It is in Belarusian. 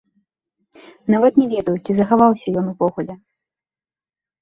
Нават не ведаю, ці захаваўся ён увогуле.